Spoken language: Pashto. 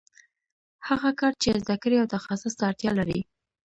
هغه کار چې زده کړې او تخصص ته اړتیا لري